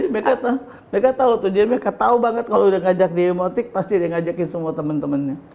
mereka tau tuh mereka tau banget kalau udah ngajak di emotik pasti dia ngajakin semua temen temennya